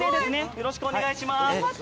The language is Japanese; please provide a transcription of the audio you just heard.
よろしくお願いします。